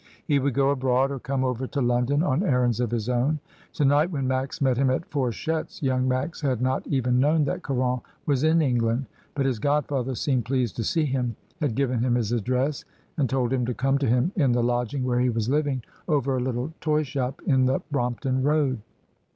He would go abroad, or come over to London on errands of his own. To night, when Max met him at Fourchette's, young Max had not even known that Caron was in England; but his godfather seemed pleased to see him, had given him his address, and told him to come to him in the lodging where he was living, over a little toy shop in the Brompton Road.